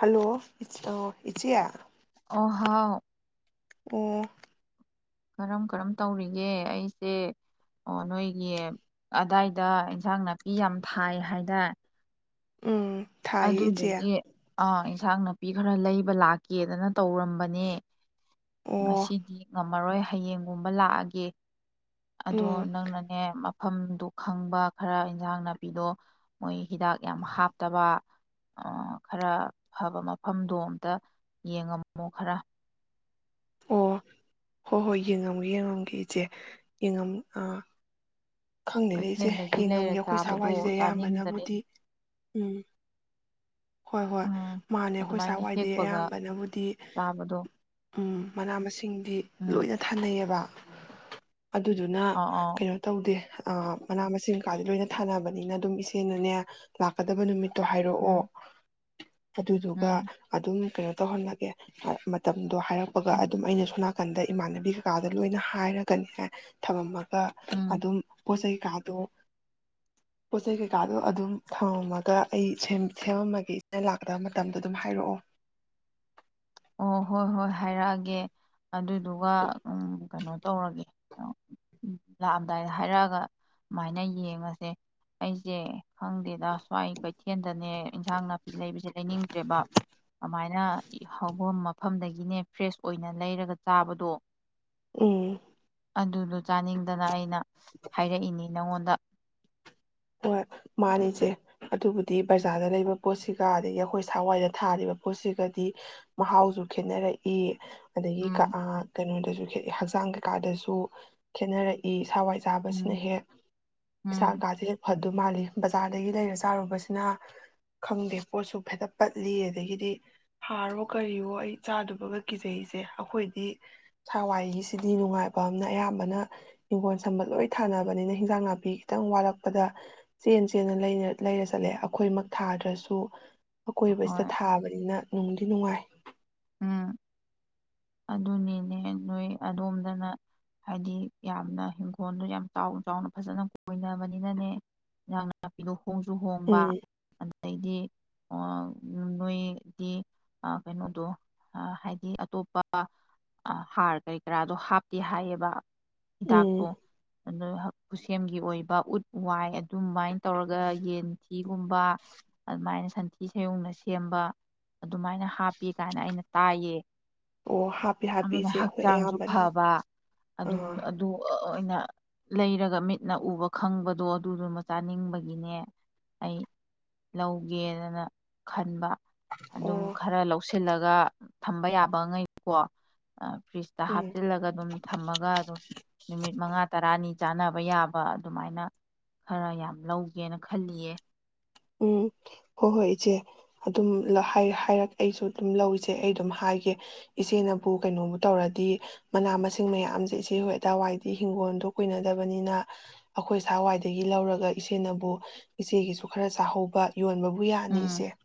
Hello ꯏꯆꯌꯥ ꯑꯣꯍꯥꯎ ꯑꯣ ꯀꯔꯝ ꯀꯔꯝ ꯇꯧꯔꯤꯒꯦ ꯑꯩꯁꯦ ꯅꯣꯏꯒꯤ ꯑꯗꯥꯏꯗ ꯏꯟꯁꯥꯡ ꯅꯥꯄꯤ ꯌꯥꯝ ꯊꯥꯏ ꯍꯥꯏꯗꯥ ꯎꯝ ꯊꯥꯏꯌꯦ ꯏꯆꯦ ꯑꯗꯨꯗꯨꯅꯦ ꯑꯥ ꯏꯟꯁꯥꯡ ꯅꯥꯄꯤ ꯈꯔ ꯂꯩꯕ ꯂꯥꯛꯀꯦꯗꯅ ꯇꯧꯔꯝꯕꯅꯦ ꯉ ꯑꯣ ꯁꯤꯗꯤ ꯉ ꯃꯔꯣꯏ ꯍꯌꯦꯡꯒꯨꯝꯕ ꯂꯥꯛꯑꯒꯦ ꯑꯗꯣ ꯎꯝ ꯅꯪꯅꯅꯦ ꯃꯐꯝꯗꯨ ꯈꯪꯕ ꯈꯔ ꯏꯟꯖꯥꯡ ꯅꯥꯄꯤꯗꯣ ꯃꯣꯏ ꯍꯤꯗꯥꯛ ꯌꯥꯝ ꯍꯥꯞꯇꯕ ꯈꯔ ꯐꯕ ꯃꯐꯝꯗꯣ ꯑꯝꯇ ꯌꯦꯡꯉꯝꯃꯣ ꯈꯔ ꯑꯣ ꯍꯣꯏ ꯍꯣꯏ ꯌꯦꯡꯉꯝꯒꯦ ꯌꯦꯡꯉꯝꯒꯦ ꯏꯆꯦꯡꯉꯝ ꯑ ꯈꯪꯗꯦꯅꯦ ꯏꯆꯦ ꯀꯩꯊꯦꯜꯗꯒꯤ ꯂꯩꯔ ꯌꯦꯡꯉꯝꯒꯦ ꯑꯩꯈꯣꯏ ꯆꯥꯕꯗꯣ ꯁꯥꯋꯥꯏꯁꯤꯗꯤ ꯆꯥꯅꯤꯡꯗꯔꯦ ꯑꯌꯥꯝꯕꯅꯕꯨꯗꯤ ꯎꯝ ꯍꯣꯏ ꯍꯣꯏ ꯎꯝ ꯃꯥꯅꯦ ꯑꯩꯈꯣꯏ ꯑꯗꯨꯃꯥꯏꯅ ꯁꯥꯋꯥꯏꯗꯤ ꯍꯦꯛꯄꯒ ꯑꯌꯥꯝꯕꯅꯕꯨꯗꯤ ꯆꯥꯕꯗꯣ ꯎꯝ ꯃꯅꯥ ꯃꯁꯤꯡ ꯁꯤꯡꯗꯤ ꯎꯝ ꯂꯣꯏꯅ ꯊꯥꯅꯩꯌꯦꯕ ꯑꯗꯨꯗꯨꯅ ꯑꯥ ꯑꯥ ꯀꯩꯅꯣ ꯇꯧꯗꯦ ꯃꯅꯥ ꯃꯁꯤꯡ ꯀꯀꯥꯥꯁ ꯂꯣꯏꯅ ꯊꯥꯅꯕꯅꯤꯅ ꯑꯗꯨꯝ ꯏꯆꯦꯅꯅꯦ ꯂꯥꯛꯀꯗꯕ ꯅꯨꯃꯤꯠ ꯇꯣ ꯍꯥꯏꯔꯛꯑꯣ ꯎꯝ ꯑꯗꯨꯗꯨꯒ ꯎꯝ ꯑꯗꯨꯝ ꯀꯩꯅꯣ ꯇꯧꯍꯜꯂꯒꯦ ꯃꯇꯝ ꯑꯗꯣ ꯍꯥꯏꯔꯛꯄꯒ ꯎꯝ ꯑꯗꯨꯝ ꯑꯩꯅꯁꯨꯛ ꯅꯥꯀꯟꯗ ꯏꯃꯥꯟꯅꯕꯤ ꯀꯀꯥꯗ ꯂꯣꯏꯅ ꯍꯥꯏꯔꯒꯅꯤ ꯍꯥꯏ ꯊꯝꯃꯒ ꯎꯝ ꯑꯗꯨꯝ ꯀꯁꯥꯏ ꯀꯥꯗꯣ ꯄꯣꯠ ꯆꯩꯩ ꯀꯩꯀꯥꯗꯣ ꯑꯗꯨꯝ ꯊꯝꯝꯃꯒ ꯑꯩ ꯁꯦꯝꯃꯝꯃꯒꯦ ꯏꯆꯦ ꯂꯥꯛꯇꯕ ꯃꯇꯝꯗꯣ ꯑꯗꯨꯝ ꯍꯥꯏꯔꯛꯑꯣ ꯑꯣ ꯍꯣꯏ ꯍꯣꯏ ꯍꯥꯏꯔꯛꯑꯒꯦ ꯑꯗꯨꯗꯨꯒ ꯀꯩꯅꯣ ꯇꯧꯔꯒꯦ ꯂꯥꯛꯑꯝꯗꯥꯏꯗ ꯍꯥꯏꯔꯛꯑꯒ ꯑꯗꯨꯨꯃꯥꯏꯅ ꯌꯦꯡꯉꯁꯦ ꯑꯩꯁꯦ ꯈꯪꯗꯦꯗ ꯁ꯭ꯋꯥꯏ ꯀꯩꯊꯦꯜ ꯗꯅꯦ ꯏꯟꯁꯥꯡ ꯅꯥꯄꯤ ꯂꯩꯕꯁꯦ ꯂꯩꯅꯤꯡꯗ꯭ꯔꯦꯕ ꯑꯗꯨꯃꯥꯏꯅ ꯍꯧꯐꯝ ꯃꯐꯝꯗꯒꯤꯅꯦ ꯐ꯭ꯔꯦꯁ ꯑꯣꯏꯅ ꯂꯩꯔꯒ ꯆꯥꯕꯗꯣ ꯎꯝ ꯑꯗꯨꯗꯨ ꯆꯥꯅꯤꯡꯗꯅ ꯑꯩꯅ ꯍꯥꯏꯔꯛꯏꯅꯤ ꯅꯪꯉꯣꯟꯗ ꯍꯣꯏ ꯃꯥꯅꯤꯁꯦ ꯑꯗꯨꯕꯨꯗꯤ ꯕꯖꯥꯔꯗ ꯂꯩꯕ ꯄꯣꯠꯁꯤꯒ ꯑꯗꯒꯤ ꯑꯩꯈꯣꯏ ꯁꯋꯥꯏꯗ ꯊꯥꯔꯤꯕ ꯄꯣꯠꯁꯤꯒꯗꯤ ꯃꯍꯥꯎꯁꯨ ꯈꯦꯅꯔꯛꯏ ꯑꯗꯒꯤ ꯀ ꯎꯝ ꯀꯩꯅꯣ ꯈꯦ ꯍꯛꯆꯥꯡ ꯀꯩꯀꯥꯗꯁꯨ ꯈꯦꯠꯅꯔꯛꯏ ꯁꯥꯋꯥꯏ ꯆꯥꯕꯁꯤꯅ ꯎꯝ ꯍꯦꯛ ꯎꯝ ꯏꯁꯥ ꯀꯥꯁꯦꯛ ꯑꯗꯨ ꯃꯥꯜꯂꯤ ꯕꯖꯥꯔꯗꯒꯤ ꯂꯩꯔ ꯆꯥꯔꯨꯕꯁꯤꯅ ꯈꯪꯗꯦ ꯄꯣꯠꯁꯨ ꯐꯦꯗ ꯄꯠꯂꯤ ꯑꯗꯒꯤꯗꯤ ꯍꯥꯔꯣ ꯀꯔꯤꯌꯣ ꯑꯩ ꯆꯥꯗꯕꯒ ꯀꯤꯖꯩꯁꯦ ꯑꯩꯈꯣꯏꯗꯤ ꯁꯥꯋꯥꯏꯒꯤꯁꯤꯗꯤ ꯅꯨꯡꯉꯥꯏꯕ ꯑꯃꯅ ꯑꯌꯥꯝꯕꯅ ꯍꯤꯡꯈꯣꯜ ꯁꯝꯕ ꯂꯣꯏ ꯊꯥꯅꯕꯅꯤꯅ ꯍꯤꯟꯖꯥꯡ ꯅꯥꯄꯤ ꯈꯤꯇꯪ ꯋꯥꯠꯂꯛꯄ ꯑꯗ ꯆꯦꯟ ꯆꯦꯟꯅ ꯂꯩꯅ ꯂꯩꯔꯆꯠꯂꯦ ꯑꯩꯈꯣꯏꯃꯛ ꯊꯥꯗ꯭ꯔꯁꯨ ꯑꯀꯣꯏꯕꯁꯤꯗ ꯍꯣꯏ ꯊꯥꯕꯅꯤꯅ ꯅꯨꯡ ꯅꯨꯡꯉꯥꯏ ꯎꯝ ꯑꯗꯨꯅꯤꯅꯦ ꯅꯣꯏ ꯑꯗꯣꯝꯗꯅ ꯍꯥꯏꯗꯤ ꯌꯥꯝꯅ ꯏꯪꯈꯣꯜꯗꯣ ꯌꯥꯝ ꯆꯥꯎꯅ ꯆꯥꯎꯅ ꯐꯖꯅ ꯀꯣꯏꯅꯕꯅꯤꯅꯅꯦ ꯏꯟꯖꯥꯡꯅꯄꯤꯗꯣ ꯍꯣꯡꯁꯨ ꯍꯣꯡꯕ ꯎꯝ ꯑꯗꯩ ꯑꯗꯩꯗꯤ ꯑ ꯎꯝ ꯅꯣꯏꯗꯤ ꯑ ꯀꯩꯅꯣꯗꯣ ꯑ ꯍꯥꯏꯗꯤ ꯑꯇꯣꯞꯄ ꯑ ꯍꯥꯔ ꯀꯔꯤ ꯀꯔꯥꯗꯣ ꯍꯥꯞꯇꯦ ꯍꯥꯏꯌꯦꯕ ꯎꯝ ꯍꯤꯗꯥꯛꯄꯨ ꯨꯑꯗꯩ ꯍꯛ ꯈꯨꯠꯁꯦꯝꯒꯤ ꯑꯣꯏꯕ ꯎꯠ ꯋꯥꯏ ꯑꯗꯨꯃꯥꯏꯅ ꯇꯧꯔꯒ ꯌꯦꯟꯊꯤꯒꯨꯝꯕ ꯑꯗꯨꯃꯥꯏꯅ ꯁꯟꯊꯤ ꯁꯌꯨꯡꯅ ꯁꯦꯝꯕ ꯑꯗꯨꯃꯥꯏꯅ ꯍꯥꯞꯄꯤ ꯀꯥꯏꯅ ꯑꯩꯅ ꯇꯥꯏꯌꯦ ꯑꯣ ꯍꯥꯞꯄꯤ ꯑꯗꯨꯅ ꯍꯥꯞꯄꯤꯁꯦ ꯑꯩꯈꯣꯏ ꯍꯛꯆꯥꯡꯁꯨ ꯑꯌꯥꯝꯕꯅ ꯐꯕ ꯑꯗꯨꯝ ꯑꯥ ꯑꯗꯨ ꯑ ꯑꯣꯏꯅ ꯂꯩꯔꯒ ꯃꯤꯠꯅ ꯎꯕ ꯈꯪꯕꯗꯣ ꯑꯗꯨꯗꯨꯃ ꯆꯥꯅꯤꯡꯕꯒꯤꯅꯦ ꯑꯩ ꯂꯧꯒꯦꯗꯅ ꯈꯟꯕ ꯑ ꯑꯗꯨꯝ ꯑꯣ ꯈꯔ ꯂꯧꯁꯤꯜꯂ ꯒ ꯊꯝꯕ ꯌꯥꯕꯉꯩ ꯀꯣ ꯑ ꯐ꯭ꯔꯤꯖꯇ ꯎꯝ ꯍꯥꯞꯆꯤꯜꯂꯒ ꯑꯗꯨꯝ ꯊꯝꯃꯒ ꯑꯗꯨꯝ ꯅꯨꯃꯤꯠ ꯃꯉꯥ ꯇꯔꯥꯅꯤ ꯆꯥꯅꯕ ꯌꯥꯕ ꯑꯗꯨꯃꯥꯏꯅ ꯈꯔ ꯌꯥꯝ ꯂꯧꯒꯦꯅ ꯈꯜꯂꯤꯌꯦ ꯆꯥ ꯎꯝ ꯍꯣ ꯍꯣꯏ ꯏꯆꯦ ꯑꯗꯨꯝ ꯍꯥꯏ ꯍꯥꯏꯔꯛ ꯑꯩꯁꯨ ꯑꯗꯨꯝ ꯂꯧ ꯏꯆꯦ ꯑꯩ ꯑꯗꯨꯝ ꯍꯥꯏꯒꯦ ꯏꯆꯦꯅꯕꯨ ꯀꯩꯅꯣꯕꯨ ꯇꯧꯔꯗꯤ ꯃꯅꯥ ꯃꯁꯤꯡ ꯃꯌꯥꯝꯁꯦ ꯏꯆꯦ ꯍꯣꯏ ꯑꯗꯥꯏꯋꯥꯏꯗꯤ ꯍꯤꯡꯒꯣꯜꯗꯣ ꯀꯨꯏꯅꯗꯕꯅꯤꯅ ꯑꯩꯈꯣꯏ ꯏꯁꯥ ꯋꯥꯏꯗꯒꯤ ꯂꯧꯔꯒ ꯏꯆꯦꯅꯕꯨ ꯏꯆꯦꯒꯤꯁꯨ ꯈꯔ ꯆꯥꯍꯧꯕ ꯌꯣꯟꯕꯕꯨ ꯌꯥꯅꯤ ꯎꯝ ꯏꯆꯦ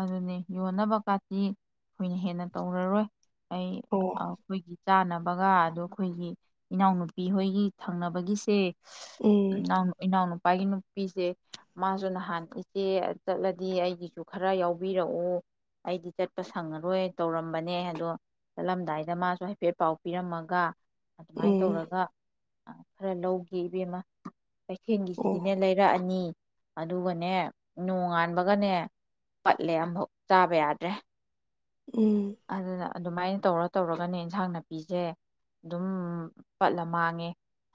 ꯑꯗꯨꯅꯤ ꯌꯣꯟꯅꯕ ꯀꯥꯇꯤ ꯈꯣꯏꯅ ꯍꯦꯟꯅ ꯇꯧꯔꯔꯣꯏ ꯑꯩ ꯑꯣ ꯑꯩꯈꯣꯏ ꯆꯥꯅꯕꯒ ꯑꯗꯣ ꯑꯩꯈꯣꯏꯒꯤ ꯏꯅꯥꯎꯅꯨꯄꯤ ꯍꯣꯏꯒꯤ ꯊꯪꯅꯕꯒꯤꯁꯦ ꯎꯝ ꯏꯅꯥꯎꯅꯨ ꯏꯅꯥꯎ ꯅꯨꯄꯥꯒꯤ ꯅꯨꯄꯤꯁꯦ ꯃꯥꯁꯨ ꯅꯍꯥꯟ ꯅꯍꯥꯟ ꯏꯆꯦ ꯆꯠꯂꯗꯤ ꯑꯩꯒꯤꯁꯨ ꯈꯔ ꯌꯥꯎꯕꯤꯔꯛꯎ ꯑꯩꯗꯤ ꯆꯠꯄ ꯁꯪꯉꯔꯣꯏ ꯇꯧꯔꯝꯕꯅꯦ ꯑꯗꯣ ꯆꯠꯂꯝꯗꯥꯏꯗ ꯃꯥꯁꯨ ꯍꯥꯏꯐꯦꯠ ꯄꯥꯎ ꯄꯤꯔꯝꯃꯒ ꯍꯥꯏ ꯑꯗꯨꯃꯥꯏ ꯎꯝ ꯇꯧꯔꯒ ꯈꯔ ꯂꯧꯒꯦ ꯏꯕꯦꯝꯃ ꯑꯩ ꯐꯦꯟꯒꯤꯁꯤꯗꯤꯅꯦ ꯑꯣ ꯂꯩꯔꯛꯑꯅꯤ ꯑꯗꯨꯒꯅꯦ ꯅꯣꯡꯉꯥꯟꯕꯒꯅꯦ ꯄꯠꯂꯦ ꯑꯃꯝꯐꯥꯎ ꯆꯥꯕ ꯌꯥꯗ꯭ꯔꯦ ꯎꯝ ꯑꯗꯨꯗ ꯑꯗꯨꯃꯥꯏꯅ ꯇꯧꯔ ꯇꯧꯔꯒꯅꯦ ꯏꯟꯁꯥꯡ ꯅꯥꯄꯤꯁꯦ ꯑꯗꯨꯝ ꯄꯠꯂ ꯃꯥꯡꯉꯦ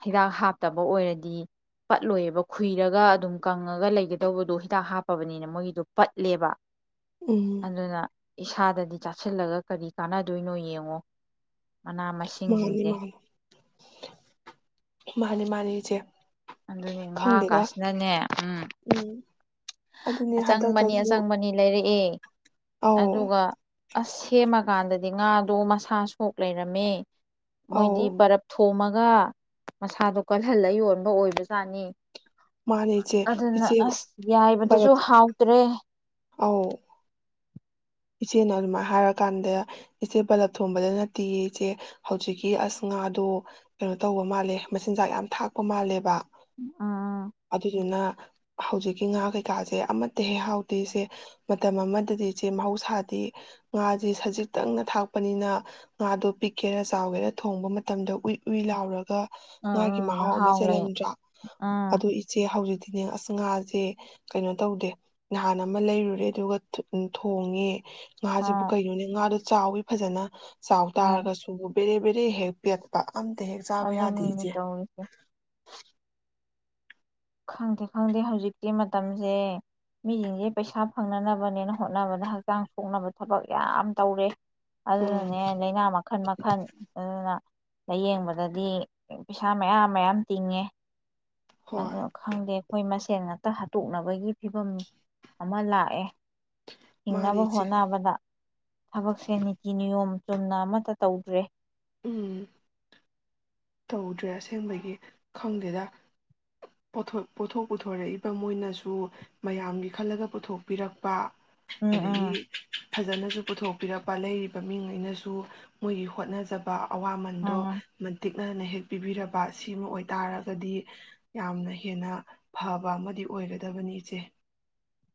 ꯍꯤꯗꯥꯛ ꯍꯥꯞꯇꯕ ꯑꯣꯏꯔꯗꯤ ꯄꯠꯂꯣꯏꯑꯕ ꯈꯨꯏꯔꯒ ꯑꯗꯨꯝ ꯀꯪꯉꯒ ꯂꯩꯒꯗꯧꯕꯗꯣ ꯍꯤꯗꯥꯛ ꯍꯥꯞꯄꯕꯅꯤꯅ ꯃꯣꯏꯒꯤꯗꯣ ꯄꯠꯂꯦꯕ ꯎꯝ ꯑꯜꯂꯅ ꯏꯁꯥꯗꯗꯤ ꯆꯥꯁꯤꯜꯂꯒ ꯀꯔꯤ ꯀꯥꯟꯅꯗꯣꯏꯅꯣ ꯌꯦꯡꯉꯣ ꯃꯅꯥ ꯃꯥꯅꯤ ꯃꯁꯤꯡꯁꯤꯡꯁꯦ ꯃꯥꯅꯤ ꯃꯥꯅꯤ ꯃꯥꯅꯤꯆꯦ ꯑꯗꯨꯅꯦ ꯉꯥ ꯀꯥꯁꯤꯅꯅꯦ ꯎꯝ ꯎꯝ ꯑꯗꯨꯅꯦ ꯑꯆꯪꯕꯅꯤ ꯍꯟꯗꯛꯇꯁꯨ ꯑꯆꯪꯕꯅꯤ ꯂꯩꯔꯛꯑꯦ ꯑꯧ ꯑꯗꯨꯒ ꯑꯁ ꯁꯦꯝꯃꯀꯥꯟꯗꯗꯤ ꯉꯥꯗꯣ ꯃꯁꯥ ꯁꯣꯛ ꯂꯩꯔꯝꯃꯦ ꯃꯣꯏꯗꯤ ꯑꯧ ꯕꯔꯞ ꯊꯣꯝꯃꯒ ꯃꯁꯥꯗꯣ ꯀꯜꯍꯜꯂ ꯌꯣꯟꯕ ꯑꯣꯏꯕ ꯁꯥꯅꯤ ꯃꯥꯅꯦ ꯏꯆꯦ ꯑꯗꯨꯅ ꯏꯆꯦ ꯑꯁ ꯌꯥꯏꯕꯗꯨꯁꯨ ꯍꯥꯎꯇ꯭ꯔꯦ ꯑ ꯏꯆꯦꯅ ꯑꯗꯨꯃꯥꯏ ꯍꯥꯏꯔꯀꯥꯟꯗ ꯏꯆꯦ ꯂꯞ ꯊꯣꯡꯕꯗ ꯅꯠꯇꯦ ꯏꯆꯦ ꯍꯧꯖꯤꯛꯀꯤ ꯑꯁ ꯉꯥꯗꯣ ꯀꯩꯅꯣ ꯇꯧꯕ ꯃꯥꯜꯂꯦ ꯃꯆꯤꯟꯖꯥꯛ ꯌꯥꯝ ꯊꯥꯛꯄ ꯃꯥꯜꯂꯦꯕ ꯎꯝ ꯑꯗꯨꯅ ꯍꯧꯖꯤꯛꯀꯤ ꯉꯥ ꯀꯩꯀꯥꯁꯦ ꯑꯃꯠꯇ ꯍꯦꯛ ꯍꯥꯎꯗꯦ ꯏꯆꯦ ꯃꯇꯝ ꯑꯃꯗꯗꯤ ꯏꯆꯦ ꯃꯍꯧꯥ ꯊꯥꯗꯤ ꯉꯥꯁꯦ ꯁꯖꯤꯛꯇꯪꯅ ꯊꯥꯛꯄꯅꯤꯅ ꯉꯥꯗꯣ ꯄꯤꯛꯀꯦꯔ ꯆꯥꯎꯒꯦꯔꯥ ꯊꯣꯡꯕ ꯃꯇꯝꯗ ꯎꯏ ꯎꯏ ꯂꯥꯎꯔꯒ ꯉꯥꯒꯤ ꯎꯝ ꯎꯝ ꯃꯍꯥꯎ ꯑꯃ ꯍꯥꯎ ꯂꯩ ꯆꯦꯜꯂꯝꯗ꯭ꯔꯥ ꯎꯝ ꯑꯗꯨ ꯏꯆꯦ ꯍꯧꯖꯤꯛꯇꯤ ꯅꯦ ꯑꯁ ꯉꯥꯁꯦ ꯀꯩꯅꯣ ꯇꯧꯗꯦ ꯅꯍꯥꯟ ꯑꯃ ꯂꯩꯔꯨꯔꯦ ꯑꯗꯨꯒ ꯎ ꯊꯣꯡꯉꯦ ꯉꯥꯁꯤꯕꯨ ꯎꯝ ꯀꯩꯅꯣꯅꯦ ꯉꯥꯗ ꯆꯥꯎꯋꯤ ꯐꯖꯅ ꯆꯥꯎ ꯎꯝ ꯇꯥꯔꯒꯁꯨ ꯦꯔꯦ ꯕꯔ ꯍꯦꯛꯄꯤ ꯑꯛꯄ ꯑꯗꯨꯗ ꯅꯅ ꯇ ꯑꯣꯏꯁꯦ ꯈꯪꯗꯦ ꯈꯪꯗꯦ ꯍꯧꯖꯤꯛꯇꯤ ꯃꯇꯝꯁꯦ ꯃꯤꯁꯤꯡꯁꯦ ꯄꯩꯁꯥ ꯐꯪꯅꯅꯕꯅꯦꯅ ꯍꯣꯠꯅꯕꯗ ꯍꯛꯆꯥꯡ ꯁꯣꯛꯅꯕ ꯊꯕꯛ ꯌꯥꯝ ꯇꯧꯔꯦ ꯎꯝ ꯑꯗꯨꯅꯅꯦ ꯂꯥꯏꯅꯥ ꯃꯈꯜ ꯃꯈꯜ ꯑꯗꯨꯅ ꯂꯥꯏꯌꯦꯡꯕꯗꯗꯤ ꯄꯩꯁꯥ ꯃꯌꯥꯝ ꯃꯌꯥꯝ ꯇꯤꯡꯉꯦ ꯍꯣꯏ ꯑꯗꯣ ꯈꯪꯗꯦ ꯑꯩꯈꯣꯏ ꯃꯁꯦꯟ ꯉꯥꯛꯇ ꯍꯥꯠꯇꯣꯛꯅꯕꯒꯤ ꯐꯤꯕꯝ ꯑꯃ ꯂꯥꯛꯑꯦ ꯃꯥꯅꯦ ꯍꯤꯡꯅꯕ ꯏꯆꯦ ꯍꯣꯠꯅꯕꯗ ꯊꯕꯛꯁꯦ ꯅꯤꯇꯤ ꯅꯤꯌꯣꯝ ꯆꯨꯝꯅ ꯑꯃꯠꯇ ꯇꯧꯗ꯭ꯔꯦ ꯎꯝ ꯇꯧꯗ꯭ꯔꯦ ꯑꯁꯦꯡꯕꯒꯤ ꯈꯪꯗꯦꯗ ꯄꯣꯠꯊꯣꯛ ꯄꯨꯊꯣꯔꯛꯏꯕ ꯃꯣꯏꯅꯁꯨ ꯃꯌꯥꯝꯒꯤ ꯈꯜꯂꯒ ꯄꯨꯊꯣꯛꯄꯤꯔꯛꯄ ꯎꯝ ꯑꯗ ꯎꯝ ꯐꯖꯅꯁꯨ ꯄꯨꯊꯣꯛꯄꯤꯔꯛꯄ ꯂꯩꯔꯤꯕ ꯃꯤꯉꯩꯅꯁꯨ ꯃꯣꯏꯒꯤ ꯍꯣꯠꯅꯖꯕ ꯑꯋꯥꯃꯟꯗꯣ ꯎꯝ ꯃꯥ ꯅ ꯍꯦꯛ ꯄꯤꯕꯤꯔꯕ ꯁꯤꯃ ꯑꯣꯏꯇꯥꯔꯒꯗꯤ ꯌꯥꯝꯅ ꯍꯦꯟꯅ ꯐꯕ ꯑꯃꯗꯤ ꯑꯣꯏꯒꯗꯕꯅꯤ ꯏꯆꯦ ꯫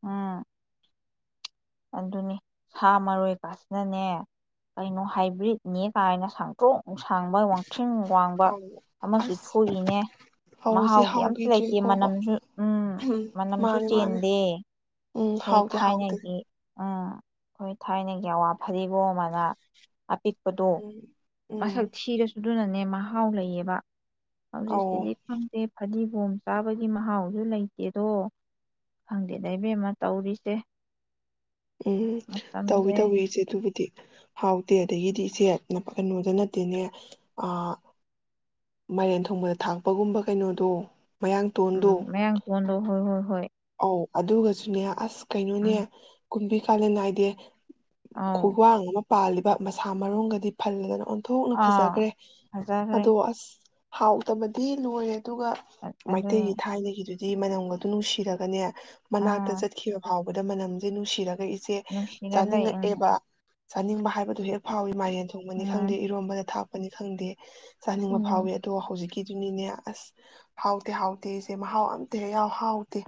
ꯑꯝ꯫ ꯑꯗꯨꯅꯤ ꯁꯥ ꯃꯔꯣꯏ ꯀꯥꯁꯤꯅꯅꯦ ꯀꯩꯅꯣ ꯍꯥꯏꯕ꯭ꯔꯤꯠꯅꯦ ꯀꯥꯏꯅ ꯁꯥꯡꯇꯣꯛ ꯅꯨꯡꯁꯥꯡꯕ ꯋꯥꯡꯈꯤꯡ ꯋꯥꯡꯕ ꯑꯧ ꯑꯃꯁꯨ ꯑꯁ ꯊꯣꯛꯏꯅꯦ ꯐꯧꯁꯦ ꯃꯍꯥꯎꯗꯤ ꯑꯝꯇ ꯂꯩꯇꯦ ꯍꯥꯎꯈꯤꯗ꯭ꯔꯦꯀꯣ ꯃꯅꯝꯁꯨ ꯎꯝ ꯃꯅꯝꯁꯨ ꯃꯥꯅꯦ ꯃꯥꯅꯦ ꯆꯦꯟꯗꯦ ꯎꯝ ꯑꯩꯈꯣꯏ ꯍꯥꯎꯇꯦ ꯍꯥꯎꯇꯦ ꯊꯥꯏꯅꯒꯤ ꯎꯝ ꯑꯩꯈꯣꯏ ꯊꯥꯏꯅꯒꯤ ꯑꯋꯥ ꯐꯗꯤꯒꯣꯝ ꯑꯅ ꯑꯄꯤꯛꯄꯗꯣ ꯎꯝ ꯃꯁꯛ ꯎꯝ ꯊꯤꯔꯁꯨ ꯑꯗꯨꯅꯅꯦ ꯃꯍꯥꯎ ꯂꯩꯌꯦꯕ꯫ ꯍꯧꯖꯤꯛꯁꯤꯗꯤ ꯑꯧ ꯈꯪꯗꯦ ꯐꯗꯤ ꯒꯣꯝ ꯆꯥꯕꯒꯤ ꯃꯍꯥꯎꯁꯨ ꯂꯩꯇꯦꯗꯣ ꯈꯪꯗꯦꯗ ꯏꯕꯦꯝꯃ ꯇꯧꯔꯤꯁꯦ꯫ ꯎꯝ ꯇꯧꯋꯤ - ꯃꯇꯝꯁꯦ ꯇꯧꯋꯤ ꯏꯆꯦ ꯑꯗꯨꯕꯨꯗꯤ ꯍꯥꯎꯗꯦ꯫ ꯑꯗꯒꯤꯗꯤ ꯏꯆꯦ ꯀꯩꯅꯣꯗ ꯅꯠꯇꯦꯅꯦ ꯃꯥꯏꯔꯦꯟ ꯊꯣꯡꯕꯗ ꯊꯥꯛꯄꯒꯨꯝꯕ ꯀꯩꯅꯣꯗꯣ ꯃꯌꯥꯡ ꯎꯝ ꯇꯣꯟꯗꯣ ꯃꯌꯥꯡ ꯇꯣꯟ ꯗꯣ ꯍꯣꯏ - ꯍꯣꯏ꯫ ꯍꯣꯏ꯫ ꯑꯧ ꯑꯗꯨꯒꯁꯨꯅꯦ ꯑꯁ ꯀꯩꯅꯣꯅꯦ ꯎꯝ ꯀꯨꯝꯕꯤ- ꯀꯥꯂꯦꯟ ꯅꯥꯏꯗꯦ ꯑꯧ ꯈꯨꯋꯥꯡ ꯑꯃꯥ! ꯄꯥꯜꯂꯤꯕ ꯃꯁꯥ ꯃꯔꯨꯝꯒꯗꯤ ꯐꯜꯂꯗꯅ ꯊꯣꯛꯅ ꯑꯥ ꯐꯖꯈ꯭ꯔꯦ ꯐꯖꯈ꯭ꯔꯦ ꯑꯗꯣ ꯑꯁ ꯍꯥꯎꯇꯕꯗꯤ ꯂꯣꯏꯔꯦ ꯫ ꯑꯗꯨꯒ ꯃꯩꯇꯩꯒꯤ ꯑꯗꯨꯅꯦ ꯊꯥꯏꯅꯗꯒꯤꯗꯤ ꯃꯅꯝꯒꯗꯨ ꯅꯨꯡꯁꯤꯔ ꯒꯅꯦ ꯃꯅꯥꯛꯇ ꯑꯥ ꯆꯠꯈꯤꯕ ꯐꯥꯎ ꯗ ꯃꯅꯝꯖꯦ ꯅꯨꯡꯁꯤꯔ ꯏꯆꯦ ꯅꯨꯡꯁꯤꯔ ꯂꯩ ꯎꯝ ꯆꯥꯅꯤꯡꯉꯛꯑꯦꯕ꯫ ꯆꯥꯅꯤꯡꯕ ꯍꯥꯏꯕꯗꯨ ꯍꯦꯛ ꯐꯥꯎꯏꯤ ꯃꯥꯏꯔꯦꯟ ꯊꯣꯡꯕꯅꯤ ꯎꯝ ꯈꯪꯗꯦ ꯏꯔꯣꯝꯕꯗ ꯊꯥꯛ ꯅꯤ ꯈꯪꯗꯦ ꯆꯥꯅꯤꯡꯕ ꯎꯝ ꯐꯥꯎꯋꯤ ꯑꯗꯣ ꯍꯧꯖꯤꯛꯀꯤ ꯑꯗꯨꯅꯤꯅꯦ ꯑꯁ ꯍꯥꯎꯇꯦ -ꯍꯥꯎꯇꯦ ꯑꯩꯁꯦ ꯃꯍꯥꯎ ꯑꯝꯇꯦꯛ ꯍꯥꯎ ꯍꯥꯎꯇꯦ꯫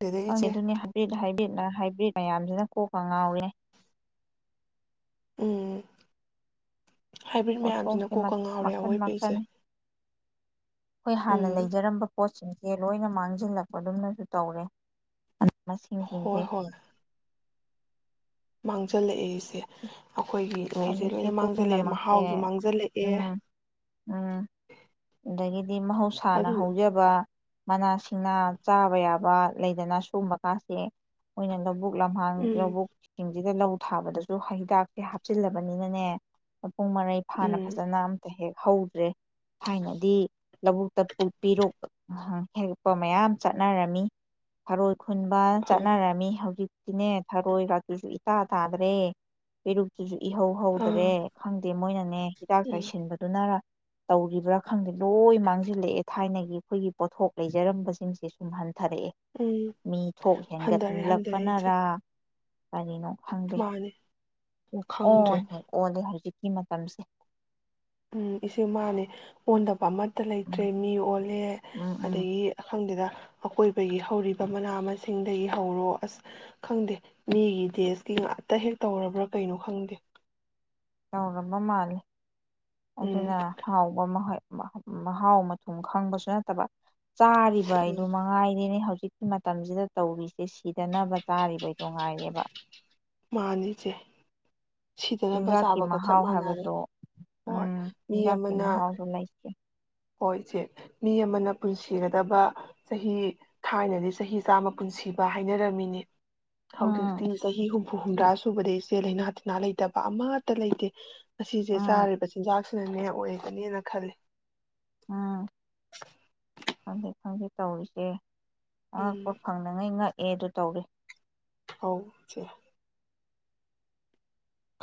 ꯗꯦꯗ ꯏꯆꯦ ꯑꯗꯨꯅꯦ ꯍꯥꯏ꯭ꯔꯤꯠ ꯍꯥꯏꯕꯠ ꯍꯥꯏꯕ꯭ꯔꯤꯠ ꯃꯌꯥꯝꯁꯤꯅ ꯀꯣꯛꯀ ꯉꯥꯎꯔꯦ꯫ ꯎꯝ꯫ ꯍꯥꯏꯕ꯭ꯔꯤꯠ ꯃꯌꯥꯝꯁꯤꯅ ꯄꯣꯠꯊꯣꯛꯁꯦ ꯀꯣꯛꯀ ꯉꯥꯎꯔꯦ ꯃꯈꯟ ꯑꯋꯣꯏꯕ ꯏꯆꯦ꯫ ꯑꯈꯣꯏ ꯍꯥꯟꯅ ꯎꯝ ꯂꯩꯖꯔꯝꯕ ꯄꯣꯠꯁꯤꯡ ꯑꯦ ꯂꯣꯏꯅ ꯃꯥꯡꯓꯤꯜꯂꯛꯄ ꯗꯨꯝꯅꯁꯨ ꯇꯧꯔꯦ [unintelligible] ꯃꯁꯤꯡꯁꯤꯡꯁꯦ ꯍꯣꯏ ꯍꯣꯏ ꯃꯥꯡꯓꯜꯂꯛꯑꯦ [unintelligible] ꯑꯗꯨ ꯁꯤ ꯃꯥꯡꯖꯜꯂꯛꯑꯦ ꯄꯨꯝꯅꯃꯛꯁꯦ ꯃꯍꯥꯎꯁꯨ ꯎꯝ ꯃꯥꯡꯖꯜꯂꯛꯑꯦ ꯎꯝ ꯑꯗꯒꯤꯗꯤ ꯃꯍꯧꯁꯥꯅ ꯑꯗꯨ ꯍꯧꯖꯕ ꯃꯅꯥꯁꯤꯡꯅꯥ ꯆꯥꯕ ꯌꯥꯕ ꯂꯩꯗꯅ ꯁꯨꯒꯨꯝꯕ ꯀꯥꯁꯦ ꯑꯣꯏꯅ ꯂꯧꯕꯨꯛ ꯂꯝꯍꯥꯡ ꯎꯝ ꯂꯧꯕꯨꯛꯁꯤꯡ ꯁꯤꯗ ꯂꯧ ꯊꯥꯕꯗꯁꯨ ꯍꯩꯗꯥꯛꯁꯦ ꯍꯥꯞꯆꯤꯜꯂꯕꯅꯤꯅꯅꯦ ꯄꯨꯡ ꯃꯔꯩ ꯐꯥꯅ ꯎꯝ ꯐꯖꯅ ꯑꯝꯇ ꯍꯦꯛ ꯍꯧꯗ꯭ꯔꯦ ꯊꯥꯏꯅꯗꯤ ꯂꯧꯕꯨꯛꯇ ꯄꯨ ꯄꯤꯔꯨꯛ ꯑꯍ ꯍꯦꯛꯄ ꯃꯌꯥꯝ ꯆꯠꯅꯔꯝꯃꯤ ꯊꯔꯣꯏ ꯈꯨꯟꯕꯥ ꯑꯥ ꯆꯠꯅꯔꯝꯃꯤ ꯍꯧꯖꯤꯛ ꯁꯤꯅꯦ ꯊꯔꯣꯏ ꯀꯥꯁꯤꯁꯨ ꯏꯇꯥ ꯇꯥꯗ꯭ꯔꯦ ꯄꯤꯔꯨꯛꯇꯨꯖꯨ ꯏꯍꯧ ꯍꯧꯗ꯭ꯔꯦ ꯑꯥ ꯈꯪꯗꯦ ꯃꯣꯏꯅꯅꯦ ꯍꯤꯗꯥꯛ ꯎꯝ ꯆꯥꯏꯁꯤꯟꯕꯗꯨꯅꯔ ꯇꯧꯔꯤꯕ꯭ꯔꯥ ꯈꯪꯗꯦ ꯂꯣꯏ ꯃꯥꯡꯖꯤꯜꯂꯛꯑꯦ ꯊꯥꯏꯅꯒꯤ ꯑꯈꯣꯏꯒꯤ ꯄꯣꯠꯊꯣꯛ ꯂꯩꯖꯔꯝꯕꯁꯤꯡꯁꯦ ꯁꯨꯝ ꯍꯟ ꯊꯔꯛꯑꯦ ꯎꯝ ꯃꯤ ꯊꯣꯛ ꯍꯟꯊꯔꯦ ꯍꯟꯊꯔꯦ ꯏꯆꯦ ꯍꯦꯟꯒꯠꯂꯛꯄꯅꯔꯥ ꯀꯔꯤꯅꯣ ꯃꯥꯅꯦ ꯄꯨꯛ ꯑꯣꯟ ꯈꯪꯗ꯭ꯔꯦ ꯍꯦꯛ ꯑꫭꯜꯂꯦ ꯍꯧꯖꯤꯛꯀꯤ ꯃꯇꯝꯁꯦ ꯎꯝ ꯏꯆꯦ ꯃꯥꯅꯦ ꯑꯣꯟꯗꯕ ꯑꯃ ꯑꯠꯇ ꯂꯩꯇ꯭ꯔꯦ ꯎꯝ ꯃꯤ ꯑꯣꯜꯂꯦ ꯎꯝ ꯑꯗꯒꯤ ꯑ ꯈꯪꯗꯦꯗ ꯑꯀꯣꯏꯕꯒꯤ ꯍꯧꯔꯤꯕ ꯃꯅꯥ ꯃꯁꯤꯡꯗꯒꯤ ꯍꯧꯔꯣ ꯑꯁ ꯈꯪꯗꯦ ꯃꯤꯒꯤ ꯗꯦꯁꯀꯤ ꯉꯥꯛꯇ ꯍꯦꯛ ꯇꯧꯔꯕ꯭ꯔꯥ ꯀꯩꯅꯣ ꯈꯪꯗꯦ ꯇꯧꯔꯕ ꯃꯥꯂꯦ ꯎꯝ ꯑꯗꯨꯅ ꯍꯥꯎꯕ ꯃꯈꯣꯏ ꯃꯍ ꯃꯍꯥꯎ ꯃꯊꫭꯡ ꯈꯪꯕꯁꯨ ꯅꯠꯇꯕ ꯆꯥꯔꯤꯕ ꯑꯩꯗꯨ ꯎꯝ ꯃꯉꯥꯏꯔꯤꯦꯅꯦ ꯍꯧꯖꯤꯛ ꯍꯧꯖꯤꯛꯀꯤ ꯃꯇꯝꯖꯤꯗ ꯇꯧꯔꯤꯁꯦ ꯁꯤꯗꯅꯕ ꯆꯥꯔꯤꯕ ꯅꯨꯡꯉꯥꯏꯔꯦꯕ ꯃꯥꯅꯤ ꯏꯆꯦ ꯁꯤꯗꯅꯕ ꯆꯤꯟꯖꯥꯛꯀꯤ ꯆꯥꯕꯒ ꯆꯞ ꯃꯍꯥꯎ ꯃꯥꯟꯅꯔꯦ ꯍꯥꯏꯕꯗꯣ ꯎꯝ ꯍꯣꯏ ꯃꯤ ꯆꯤꯟꯖꯥꯛꯀꯤ ꯑꯃꯅ ꯃꯍꯥꯎꯗꯣ ꯂꯩꯇꯦ ꯍꯣꯏ ꯏꯆꯦ ꯃꯤ ꯑꯃꯅ ꯄꯨꯟꯁꯤꯒꯗꯕ ꯆꯍꯤ ꯊꯥꯏꯅꯗꯤ ꯆꯍꯤ ꯆꯥꯝꯃ ꯄꯨꯟꯁꯤꯕ ꯍꯥꯏꯅꯔꯝꯃꯤꯅꯤ ꯎꯝ ꯍꯧꯖꯤꯛꯇꯤ ꯆꯍꯤ ꯍꯨꯝꯐꯨ ꯍꯨꯝꯗ꯭ꯔꯥ ꯁꯨꯕꯗ ꯏꯆꯦ ꯂꯩꯅꯥ ꯇꯤꯟꯅꯥ ꯂꯩꯇꯕ ꯑꯃꯠꯇ ꯂꯩꯇꯦ ꯑꯁꯤꯁꯦ ꯎꯝ ꯆꯥꯔꯤꯕ ꯆꯤꯟꯖꯥꯛꯁ ꯑꯗꯨꯅꯦ ꯑꯣꯏꯒꯅꯦꯅ ꯈꯜꯂꯤ ꯎꯝ ꯈꯪꯗꯦ ꯈꯪꯗꯦ ꯇꯧꯔꯤꯁꯦ ꯎꯝ ꯑꯉꯛꯄ ꯐꯪꯗꯥꯉꯩ ꯉꯛꯏ ꯑꯦ ꯑꯗꯨ ꯇꯧꯔꯤ ꯍꯧꯁꯦ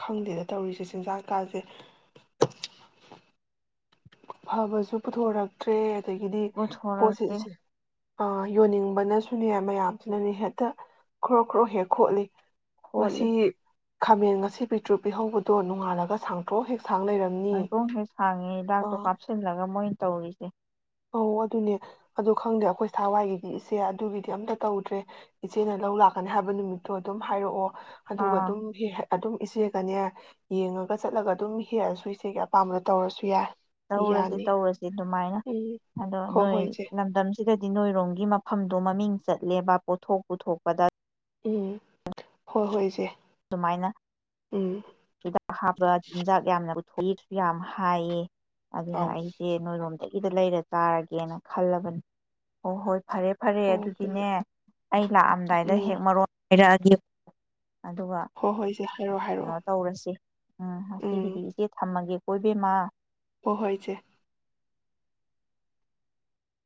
ꯈꯪꯗꯦꯅ ꯇꯧꯔꯤꯁꯦ ꯆꯤꯟꯖꯥꯛꯀꯥꯗꯦ ꯐꯕꯁꯨ ꯄꯨꯊꯣꯔꯛꯇ꯭ꯔꯦ ꯑꯗꯒꯤꯗꯤ ꯄꯨꯊꯣꯔꯛꯇ꯭ꯔꯤ ꯄꯣꯠꯁꯤꯁꯦ ꯑ ꯌꯣꯟꯅꯤꯡꯕꯅꯁꯨꯅꯦ ꯃꯌꯥꯝꯁꯤꯅꯅꯦ ꯍꯦꯛꯇ ꯈ꯭ꯔꯣ ꯈ꯭ꯔꯣ ꯍꯦꯛ ꯈꯣꯠꯂꯤ ꯈꯣꯠꯂꯤ ꯃꯁꯤ ꯈꯥꯃꯦꯟ ꯑꯁꯤ ꯄꯤꯇ꯭ꯔꯨ ꯄꯤꯍꯧꯕꯗꯣ ꯅꯣꯡꯉꯥꯜꯂꯒ ꯁꯥꯡꯇ꯭ꯔꯑꯣ ꯍꯦꯛ ꯁꯥꯡ ꯂꯩꯔꯝꯅꯤ ꯑꯩꯀꯣꯡ ꯍꯦꯛ ꯁꯡꯒꯦ ꯑ ꯂꯥꯛꯇꯣꯛ ꯄꯥꯄꯁꯤ ꯂꯒ ꯃꯣꯅ ꯇꯧ ꯇꯧꯏꯁꯤ ꯑꯧ ꯑꯗꯨꯅꯦ ꯑꯗꯤ ꯈꯪꯗꯦ ꯑꯩꯈꯣꯏ ꯁꯋꯥꯏꯒꯤꯗꯤ ꯏꯆꯦ ꯑꯗꯨꯒꯤꯗꯤ ꯑꯝꯇ ꯇꯧꯗ꯭ꯔꯦ ꯏꯆꯦꯅꯥ ꯂꯧ ꯂꯥꯛꯀꯅꯤ ꯍꯥꯏꯕ ꯅꯨꯃꯤꯠꯇꯣ ꯑꯗꯨꯝ ꯍꯥꯏꯔꯛꯑꯣ ꯑꯗꯨꯒ ꯑꯥ ꯑꯗꯨꯝ ꯍ ꯑꯗꯨꯝ ꯏꯆꯦꯒꯅꯦ ꯌꯦꯡꯉꯒ ꯆꯠꯂꯒ ꯑꯗꯨꯝ ꯍꯦꯛꯑꯁꯨ ꯏꯆꯦꯒꯤ ꯑꯄꯥꯝꯕꯗ ꯇꯧꯔꯁꯨ ꯌꯥꯏ ꯇꯧꯔꯨꯔ꯭ꯁꯤ ꯌꯥꯅꯤ ꯇꯧꯔꯨꯔ꯭ꯁꯤ ꯑꯗꯨꯃꯥꯏꯅ ꯎꯝ ꯑꯗꯣ ꯍꯣꯏ ꯅꯣꯏ ꯍꯣꯏ ꯏꯆꯦ ꯂꯟꯗꯟ ꯁꯤꯗꯗꯤ ꯅꯣꯏꯔꯣꯝꯒꯤ ꯃꯐꯝꯗꯣ ꯃꯃꯤꯡ ꯆꯠꯂꯦꯕ ꯄꯣꯊꯣꯛ ꯄꯨꯊꯣꯛꯄꯗ ꯎꯝ ꯍꯣꯏ ꯍꯣꯏ ꯏꯆꯦ ꯑꯗꯨꯃꯥꯏꯅ ꯎꯝ ꯑꯗꯥ ꯍꯥꯞꯄ ꯆꯤꯟꯖꯥꯛ ꯌꯥꯝꯅꯕꯨ ꯊꯣꯛꯏꯁꯨ ꯌꯥꯝ ꯍꯥꯏꯑ ꯑꯗꯨꯅ ꯑꯧ ꯑꯩꯇꯦ ꯅꯣ ꯋꯥꯗ ꯏꯗ ꯂꯩꯔ ꯆꯥꯔꯒꯦꯅ ꯈꯜꯂꯕꯅꯤ ꯑꯣ ꯍꯣꯏ ꯐꯔꯦ ꯐꯔꯦ ꯍꯣꯏ ꯑꯗꯨꯗꯤꯅꯦ ꯍꯣꯏ ꯑꯩ ꯂꯥꯛꯑꯝꯗꯥꯏꯗ ꯎꯝ ꯍꯦꯛ ꯃꯔꯣꯟ ꯍꯥꯏꯔꯛꯑꯒ ꯑꯗꯨꯒ ꯍꯣꯏ ꯍꯣꯏ ꯏꯆꯦ ꯍꯥꯏꯔꯛꯑꯣ ꯀꯩꯅꯣ ꯍꯥꯏꯔꯛꯑꯣ ꯇꯧꯔꯁꯦ ꯎꯝ ꯉꯥꯁꯤꯒꯤꯗꯤ ꯏꯆꯦ ꯊꯝꯃꯒꯦ ꯑꯣꯏꯕꯦ ꯃꯥ ꯑꯣ ꯍꯣꯌ ꯏꯆꯦ